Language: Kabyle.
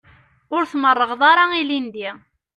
Ur tmerrɣeḍ ara ilindi.